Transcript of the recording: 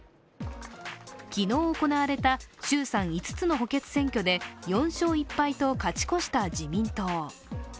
昨日行われた衆参５つの補欠選挙で４勝１敗と勝ち越した自民党。